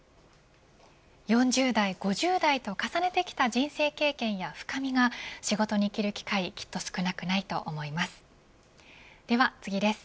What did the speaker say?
４０代、５０代と重ねてきた人生経験や深みが、仕事に生きる機会が少なくないと思います。